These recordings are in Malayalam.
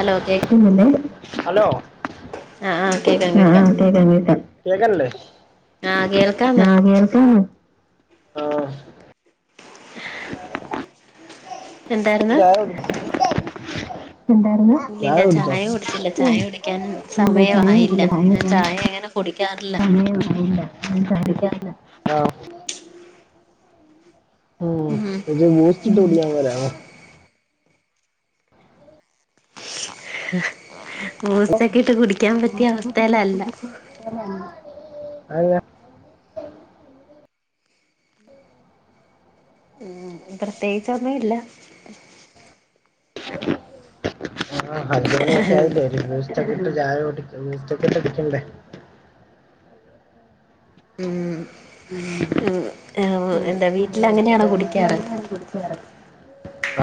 ഹലോ കേ പി ഹ ആലോ ആഹ് ആഹ് കേക്കാം കേക്കാം കേ കേക്കേ ആഹ് കേൾക്കാന്ന് ആ കേൾക്ക ആഹ് [inaudible] എന്തായിരുന്നു എന്തായിരുന്നു [unintelligible] ഇല്ലല്ല ചായ കുടിച്ചില്ല ചായ കുടിക്കാൻ സമയമായിയില്ല ഞാൻ ചായ ഇങ്ങനെ കുടിക്കാറില്ല ഇ [unintelligible] ക്ക ആ് ആ ഉം ഇത് ബൂസ്റ്റിട്ട് കുടിയാൻ വരാണോ മൂസൊക്കെ ഇട്ട് കുടിക്കാൻ പറ്റിയ അവസ്ഥേയില അല്ല അതന്ന ഉം പ്രത്യേകിച്ചൊന്നും ഇല്ല ആഹ് അഞ്ചു മണിയൊക്കെ ആയില്ലേ [unintelligible] [unintelligible] ചായ കുടിക്കുന്നു ഇഷ്ടത്തി ന് എടുക്കണ്ടേ ഉം ഉം ആഹ് എന്താ വീട്ടിലങ്ങനെയാണോ കുടിക്കാറ്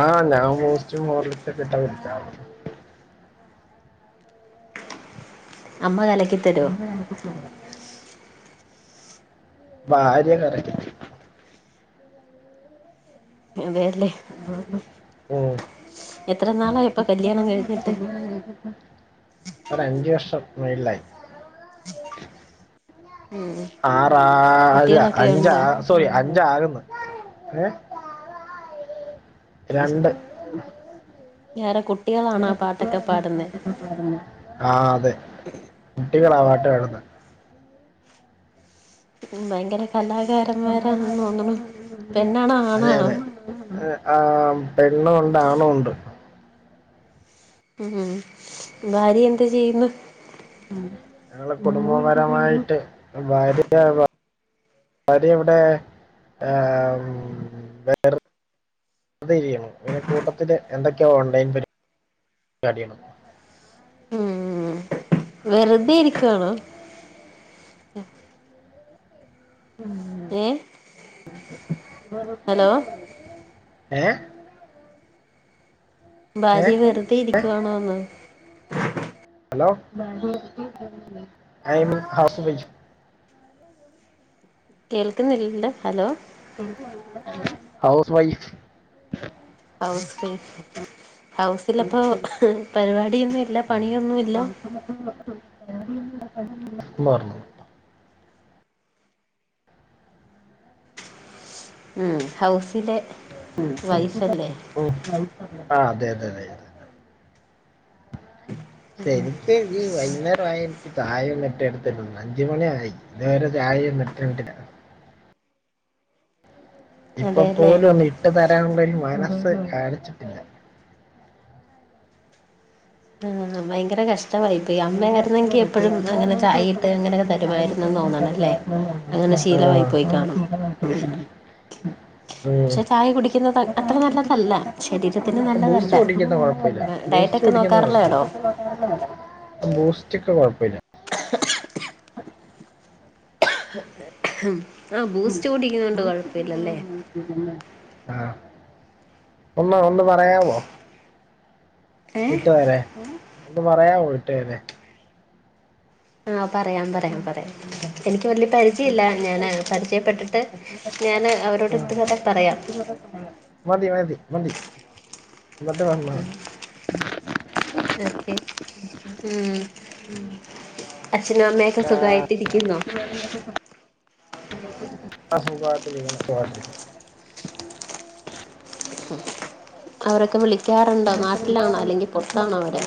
ആഹ് ഞാൻ ബൂസ്റ്റും ഹോർലിക്സൊക്കെ ഇട്ടാ കുടിക്കാറ് അമ്മ കലക്കി തരുവോ എന്ത [inaudible] ഭാര്യ കറക്ക [unintelligible] അതേ അല്ലേ [inaudible] ഉം എത്ര നാളായി ഇപ്പൊ കല്ല്യാണം കഴിഞ്ഞിട്ട് [unintelligible] ഒരഞ്ചു വർഷം മേളിലായി ഉം ആറാല കുട്ടികളൊക്കെ അഞ്ചാ ഉണ്ടോ സോറി അഞ്ചാകുന്ന് ഏഹ് രണ്ട് [unintelligible] ആരാ കുട്ടികളാണോ ആ പാട്ടൊക്കെ പാടുന്നേ ആഹ് അതേ കുട്ടികളാ പാട്ട് പാടുന്നേ ഉം ഭയങ്കര കലാകാരന്മാരാണെന്ന് തോന്നുണു പെണ്ണാണോ ആണാണോ ഏഹ് ആഹ് പെണ്ണുവുണ്ട് ആണുവുണ്ട് ഉം ഉം ഭാര്യ എന്ത് ചെയ്യുന്നു ഉം ഞങ്ങള് കുടുംബപരമായിട്ട് ഭാര്യ ഭ ര്യ ഇവിടെ ഏഹ് വേറെ [unintelligible] ചെയ്യണു പിന്നെ കൂട്ടത്തില് എന്തൊക്കെയോ ഓൺലൈൻ പരി പാടി ആണ് ഉം വെറുതെ ഇരിക്കുവാണോ ആഹ് ഏ വെറുതെ ഹലോ ഇരിക്കുവാണോ ഏഹ് ഏ ഭാര്യ വെറുതെ ഇരിക്കുവാണോന്ന് ഹലോ ഭാര്യ [unintelligible] ഐ മീൻ ഹാഫ് [unintelligible] കേൾക്കുന്നില്ലല്ലോ ഹലോ കേൾക്കുന്നില്ലല്ലോ hello house wife house wife ഹൗസിലപ്പോ പരിപാടിയൊന്നുവില്ല പണിയൊന്നുവില്ല [unintelligible] ഉം ഹൗസിലെ വൈഫല്ലേ ഉം ആഹ് അതെ അതെ അതെ ശരിക്ക് ഈ വൈന്നേരവായ ചായ ഒന്നും ഇട്ടേര്ത്തില്ല അഞ്ച് മണിയായി ഇതുവരെ ചായ ഒന്നും ഇട്ട് കണ്ടില്ല ഇപ്പൊ അതെല്ലേ പോലും ഒന്ന് ഇട്ട് തരാനുള്ളൊരു മനസ്സ് കാണിച്ചിട്ടില്ല ഉം ഭയങ്കര കഷ് ട്ടമായിപ്പോയി അമ്മയായിരുന്നെങ്കി എപ്പഴും അങ്ങനെ ചായ ഇട്ട് അങ്ങനെയൊക്കെ തരുമായിരുനെന്ന് തോന്നണല്ലേ അങ്ങനെ ശീലവായി ആ പോയി കാണും പക്ഷേ ഉം ചായ കുടിക്കുന്നത് അത്ര നല്ലതല്ല ശരീര ബൂസ്റ്റ് കുടിക്കുന്ന കൊഴപ്പില്ല ബൂസ്റ്റ് ഡയറ്റൊക്കെ കുടിക്കുന്ന നോക്കാറുള്ളതാണോ കൊഴപ്പില്ല ബൂസ്റ്റ്ക്കെ കൊഴപ്പില്ല അതെ ആഹ് ബൂസ്റ്റ് കുടിക്കുന്നൊണ്ട് കുഴപ്പില്ലല്ലേ ആഹ് ഒന്ന് ഒന്ന് പറയാവോ ഏഹ് ഇട്ടുതരാൻ ഒന്ന് പറയാവോ ഇട്ടുതരാൻ ആഹ് പറയാം പറയാം പറയാം എനിക്ക് വല്ല്യ പരിചയില്ല ഞാന് പരിചയപ്പെട്ടിട്ട് ഞാന് അവരോട് ഉം. ഇട്ട് തരാ പറയാം മതി മതി മതി ഇങ്ങോട്ടുവ ഉം ഓക്കെ ഉം അച്ഛനും അമ്മയൊക്കെ സുഖായിട്ടിരിക്കുന്നോ? [unintelligible] ആഹ് സുഖായിട്ടിരിക്കുന്ന് [unintelligible] അവരൊക്കെ വിളിക്കാറുണ്ടോ നാട്ടിലാണോ അല്ലെങ്കി പൊറത്താണോ അവര്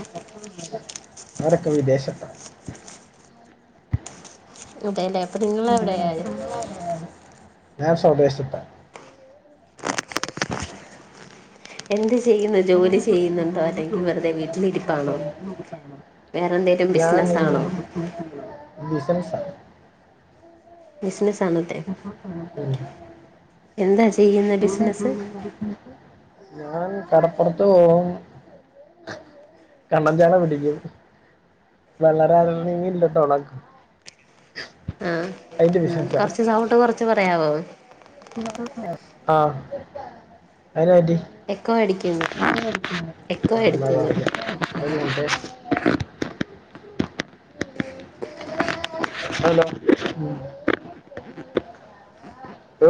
അവരൊക്കെ വിദേശത്ത അതേല്ലേ അപ്പൊ നിങ്ങള് എവിടെയാ ഞാൻ സ്വദേശത്ത എന്ത് ചെയ്യുന്നു ജോലി ചെയ്യുന്നുണ്ടോ അല്ലെങ്കി വെറുതെ വീട്ടിലിരിപ്പാണോ? [unintelligible] വേറെന്തേലും ബിസിനസ്സ് ആണോ ബിസിനസ [unintelligible] [unintelligible] ബിസിനസ് ആണല്ലേ എന്താ ചെയ്യുന്ന ബിസിനസ് ഞാൻ കടപ്പുറത്ത് പോവും കണ്ണൻ ചാള പിടിക്കും വെള്ളരാരണയിൽ ഇട്ട് ഒണക്കു ആ അയിന്റെ ബിസി കൊറച്ച് സൗണ്ട് കൊറച്ച് പറയാവോ [unintelligible] ആഹ് അയ്നടി എക്കോ അടിക്കുന്നു എക്കോ അടിക്കുന്നു [unintelligible] അതല്ലാ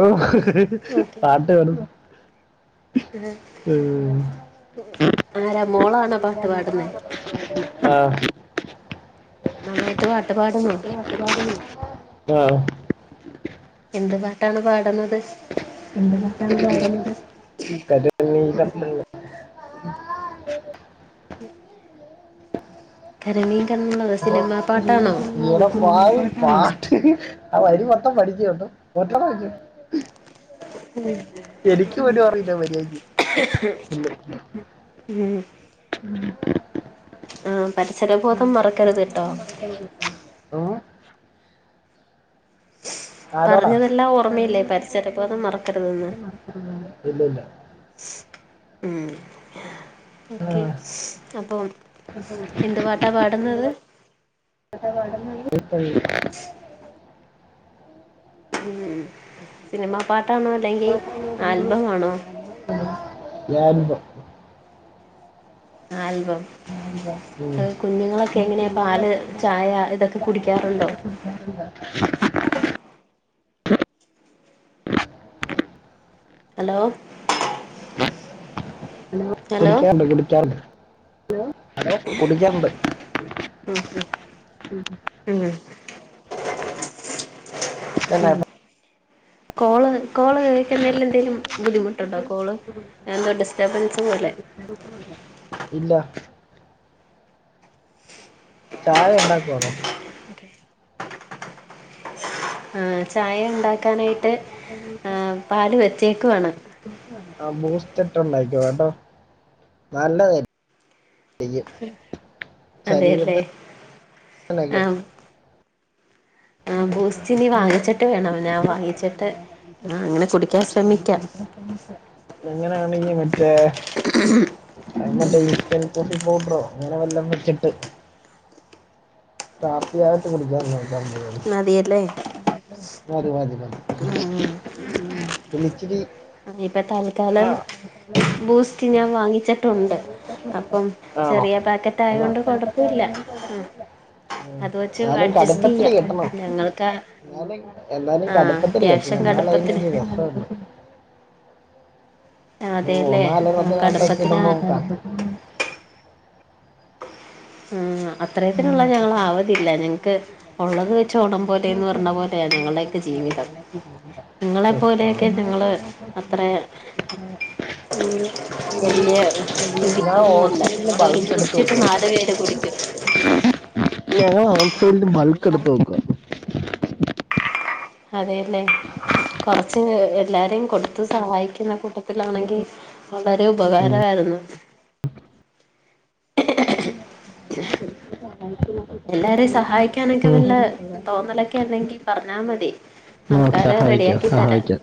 ഓഹ് ഓക്കെ പാട്ട് വേണം ആരാ മോളാണോ പാട്ട് പാടുന്നേ ആഹ് നന്നായിട്ട് പാട്ടുപാടുമോ ആഹ് എന്ത് പാട്ടാണ് പാടുന്നത് എന്ത് പാട്ടാണ് പാടുന്നത് കരിനീല കണ്ണുള്ള ഉം സിനിമ പാട്ടാണോ [unintelligible] പാ പാട്ട് ആ വരി മൊത്തം പഠിക്കുവാ [unintelligible] എനിക്ക് പോലും അറിയില്ല മര്യായക്ക് പിന്നെ ഉം ആഹ് പരിസരബോധം മറക്കരുത്ട്ടോ [unintelligible] ഏഹ് ആരോടാ പറഞ്ഞതെല്ലാം ഓർമ്മയില്ലേ പരിസരബോധം മറക്കരുതെന്ന് ഇല്ല ഇല്ല മ്മ് ആ, ഓക്കെ അപ്പം എന്ത് പാട്ടാ പാടുന്നത് [unintelligible] മ്മ് സിനിമാ പാട്ടാണോ അല്ലെങ്കി ആൽബമാണോ യാൽബം ആൽബം ഉം. അത് കുഞ്ഞുങ്ങളക്കെങ്ങനെയാ പാല് ചായ ഇതൊക്കെ കുടിക്കാറുണ്ടോ? [unintelligible] ഹലോ ഹലോ കുടിക്കാറുണ്ട് കുടിക്കാറുണ്ട് ഹലോ കുടിക്കാറുണ്ട് മ്മ് [unintelligible] കോള് കോള് കേക്കുന്നതിലെന്തേലും ബുദ്ധിമുട്ടുണ്ടോ? കോള് എന്തോ ഡിസ്റ്റർബൻസ് പോലെ ഇല്ല ചായ ഇണ്ടാക്കുവാണോ? ഓക്കെ ആ ചായ ഇണ്ടാക്കാനായിട്ട് [unintelligible] ആ ബൂസ്റ്റിട്ടുണ്ടായിക്കോ കേട്ടോ നല്ലതാ വയ്യ അതെയല്ലേ ശരീരത്തിനക്കെ ആ [inaudible] ആ ബൂസ്റ്റിനി വാങ്ങിച്ചിട്ട് വേണം ഞാൻ വാങ്ങിച്ചിട്ട് ആ അങ്ങനെ കുടിക്കാ ശ്രമിക്കാം. ഇങ്ങനെയാണെങ്കി മറ്റേ [inaudible] മറ്റേ ഈസ്റ്റേൺ കോഫി പൗഡറോ അങ്ങനെ വല്ലം വച്ചിട്ട് കാപ്പിയായിട്ട് കുടിക്കാൻ നോക്കാൻ മതിയല്ലേ [unintelligible] മതി മതി മതി പിന്നെ ഇച്ചിരി ആ ഇപ്പ തൽക്കാലം ബൂസ്റ്റ് ഞാൻ വാങ്ങിച്ചിട്ടുണ്ട് അപ്പം ആണോ? ചെറിയ പാക്കറ്റ് മ്മ് ആയോണ്ട് കുഴപ്പമില്ല അത് വെച്ച് എന്നാലും അഡ്ജസ്റ്റ് കടുപ്പത്തില് ചെയ്യാം കിട്ടണം. ഞങ്ങൾക്ക് എന്നാലും എന്നാലും ആ കടുപ്പത്തില് കിട്ടണം അത്യാവശ്യം എന്നാലേ കടുപ്പത്തിന് അയിനൊരു രസുള്ളൂ. അതെല്ലേ ആ കടുപ്പത്തിന് മൂന്നാലെണ്ണത്തിനത്തേക്കയിടുമ്പം മ്മ് അത്രേത്തിനുള്ള ഞങ്ങളാവതില്ല ഞങ്ങക്ക് ഒള്ളത് വെച്ച ഓണം പോലെന്ന് പറഞ്ഞ പോലെയാ ഞങ്ങളടക്കെ ജീവിതം. ശ്ശോ, നിങ്ങളെപ്പോലെയക്കെ പാവം. ഞങ്ങള് അത്രേ മ്മ് വലിയ [unintelligible] ഞാൻ ഹോൾസെയിലിന് ഞങ്ങടെ ബൾക്ക് എടുത്ത് ബൂസ്റ്റിട്ട് വെക്കുക നാല് പേര് [unintelligible] ഞങ്ങള് ഔട്ട് സൈഡില് നിങ്ങള ബൾക്കെടുത്ത് വെയ്ക്കുവാ അതെയല്ലേ കൊറച്ച് എല്ലാരേയും കൊടുത്ത് സഹായിക്കുന്ന കൂട്ട ത്തിലാണെങ്കി വളരെ ഉപകാരായിരുന്നു. [inaudible] പിള്ളേരെ സഹായിക്കാനൊക്കെ വല്ല തോന്നലൊക്കെ ഉണ്ടെങ്കി പറഞ്ഞാ മതി ആ ആൾക്കാരെ സഹായിക്കാം റെഡിയാക്കി തരാം. സഹായിക്കാം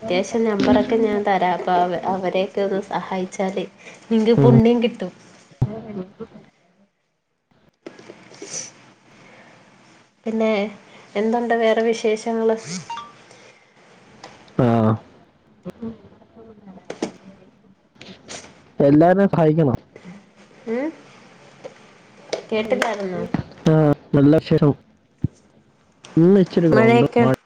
അത്യാവശ്യം നമ്പറൊക്കെ ഞാൻ തരാം അപ്പൊ അവ അവരെയൊക്കെ ഒന്ന് സഹായിച്ചാല് നിങ്ങക്ക് ഉം. പുണ്യം കിട്ടും. [unintelligible] [inaudible] പിന്നെ എന്തുണ്ട് വേറെ വിശേഷങ്ങള്. ആഹ് എല്ലാരേം സഹായിക്കണം. ഏഹ് കേട്ട് ക്കായിരുന്നോ? ആഹ നല്ല വിശേഷം ഇന്ന് ഇച്ചിരി മഴയൊക്കെ [unintelligible]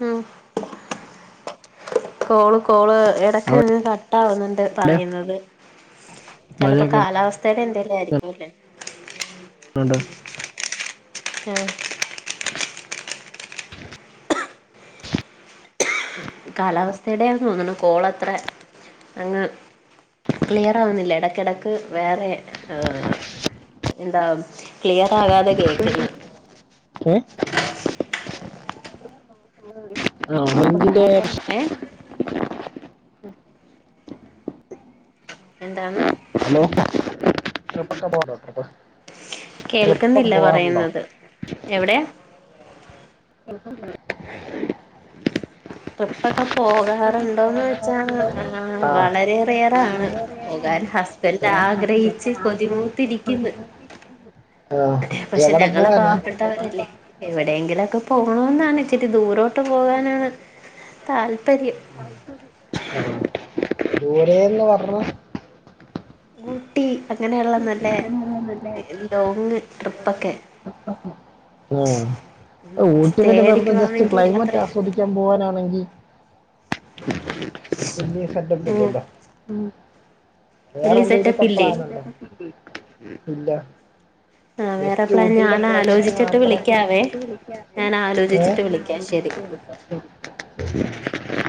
മ് കോള് കോള് എടക്ക് കട്ടാവുന്നുണ്ട് അവിടെ പറയുന്നത്. ചെലപ്പോ മഴയൊക്കെ കാലാവസ്ഥയുടെ എന്തേങ്കിലു ആയിരിക്കുല്ലേ ഉണ്ട് ഏ കാലാവസ്ഥയുടെ തോന്ന്ണു കോളത്ര അങ്ങ് ക്ലിയർ ആവുന്നില്ല ഇടക്കിടക്ക് വേറെ എന്താ ക്ലിയർ ആകാതെ കേക്ക്ന്ന [unintelligible] ഏഹ് എന്താണ് ഹലോ [unintelligible] ട്രിപ്പൊക്കെ കേൾക്കുന്നില്ല പോകാറുണ്ട് പറയുന്നത് എവിടെ എക്ക പറ [unintelligible] ട്രിപ്പൊക്കെ പോകാറുണ്ടോന്ന് വെച്ചാ ഏ ആ വളരെ റെയറാണ് പോകാൻ ഹസ്സന്റ് ആഗ്രഹിച്ചച്ച് കൊതിമൂത്തിരി കിന്ന് ആഹ് എവിടെ ഞങ്ങള് പോവാനാ എവിടെയെങ്കിലൊക്കെ പോണന്നാണ് ഇച്ചിരി ദൂരോട്ട് പോകാനാണ് താല്പര്യം [unintelligible] ദൂരെന്ന് പറഞ്ഞ ഊട്ടി അങ്ങനെള്ളെ നല്ല ലോങ് ട്രിപ്പൊക്കെ ഓ ഊട്ടി സ്റ്റേ എന്നൊക്കെ പറഞ്ഞ ജസ്റ്റ് അടിക്കുവാണെങ്കി അത്ര ക്ലൈമറ്റ് ആസ്വദിക്ക ക്കാൻ പോവാ നാണെങ്കി വലിയ ഉം സെറ്റപ്പില്ലല്ലൊ വലിയ വേറെന്തേങ്കിലൊക്കെ സെറ്റപ്പില്ലേ പ്ലാനുണ്ടോ ആ വേറെ ജെസ്റ്റ് പ്ലാൻ ഊട്ടയിലെ ഞാൻ ക്ലൈമറ്റ് ആലോചിച്ചിട്ട് വിളിക്കാവേ മാത്രേള്ളൂ ഞാൻ ആലോചിച്ചിട്ട് വിളിക്കാം ശരി ഏഹ്